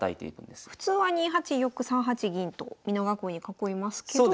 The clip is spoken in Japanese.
普通は２八玉３八銀と美濃囲いに囲いますけど。